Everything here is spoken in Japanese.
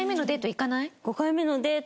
５回目のデート